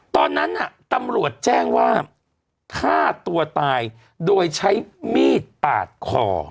ตอนนั้นน่ะตำรวจแจ้งว่าฆ่าตัวตายโดยใช้มีดปาดคอ